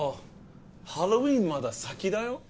ハロウィンまだ先だよ？